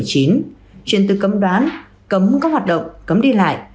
truyền từ cấm đoán cấm các hoạt động cấm đi lại